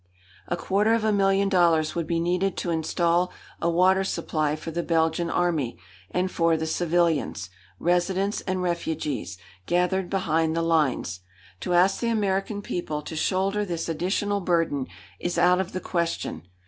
A quarter of a million dollars would be needed to install a water supply for the Belgian Army and for the civilians residents and refugees gathered behind the lines. To ask the American people to shoulder this additional burden is out of the question.